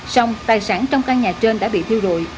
xong tài sản trong căn nhà trên đã bị thiêu dụi